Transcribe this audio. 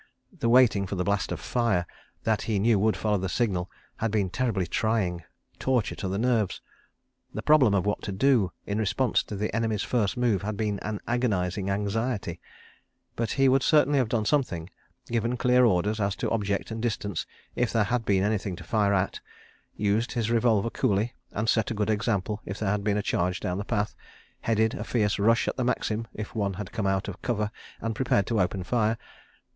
The waiting for the blast of fire, that he knew would follow the signal, had been terribly trying—a torture to the nerves. The problem of what to do, in response to the enemy's first move, had been an agonising anxiety—but he would certainly have done something—given clear orders as to object and distance if there had been anything to fire at; used his revolver coolly and set a good example if there had been a charge down the path; headed a fierce rush at the Maxim if one had come out of cover and prepared to open fire.